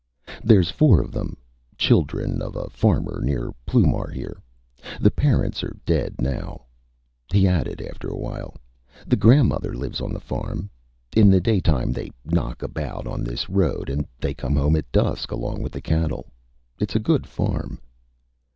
ÂThereÂs four of them children of a farmer near Ploumar here. ... The parents are dead now,Â he added, after a while. ÂThe grandmother lives on the farm. In the daytime they knock about on this road, and they come home at dusk along with the cattle. ... ItÂs a good farm.